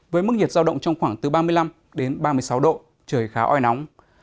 với mức nhiệt giao động trong khoảng từ ba mươi năm đến ba mươi sáu độ trời khá oi nóng